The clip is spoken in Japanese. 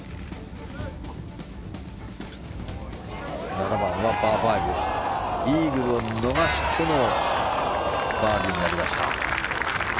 ７番はパー５イーグルを逃してのバーディーになりました。